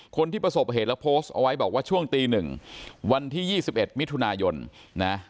คนที่ประสบเหตุแล้วโพสต์เอาไว้บอกว่าช่วงตีหนึ่งวันที่๒๑มิถุนายนนะ